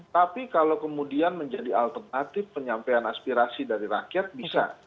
tapi kalau kemudian menjadi alternatif penyampaian aspirasi dari rakyat bisa